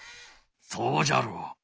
そうじゃろう。